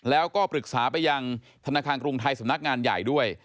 แล้วก็ปรึกษาไปยังธนาคารกรุงไทยสำนักงานใหญ่ด้วย